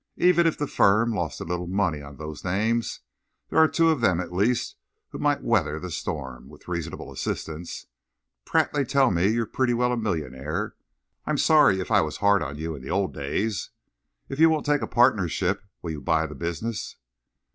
"Even if the firm lost a little money on those names, there are two of them at least who might weather the storm, with reasonable assistance. Pratt, they tell me you're pretty well a millionaire. I'm sorry if I was hard on you in the old days. If you won't take a partnership, will you buy the business?"